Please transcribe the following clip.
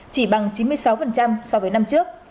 chỉ bằng chín mươi sáu so với năm trước